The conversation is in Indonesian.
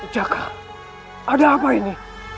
jaka ada apa ini